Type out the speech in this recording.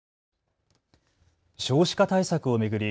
少子化対策を巡り